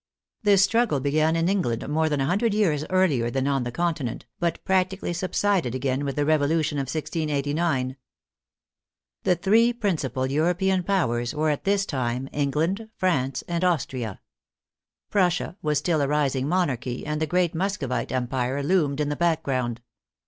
This struggle began in England more than a hundred years earlier than on the Continent, but practically subsided again with the Revolution of 1689. so THE FRENCH REVOLUTION The three principal European Powers were at this time England, France and Austria. Prussia was a still rising monarchy, and the great Muscovite empire loomed in the background.